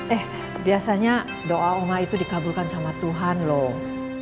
eh biasanya doa oma itu dikabulkan sama tuhan loh